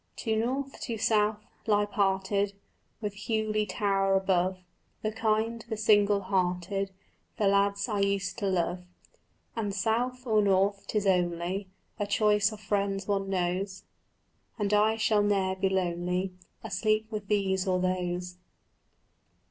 To north, to south, lie parted, With Hughley tower above, The kind, the single hearted, The lads I used to love. And, south or north, 'tis only A choice of friends one knows, And I shall ne'er be lonely Asleep with these or those.